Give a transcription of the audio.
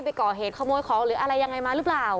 ไปก่อเหตุขโมยของหรืออะไรยังไงมาหรือเปล่า